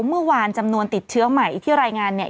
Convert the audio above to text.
เมื่อวานจำนวนติดเชื้อใหม่ที่รายงานเนี่ย